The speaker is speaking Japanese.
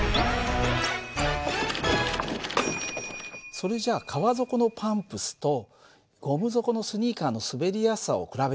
それじゃあ革底のパンプスとゴム底のスニーカーの滑りやすさを比べてみよう。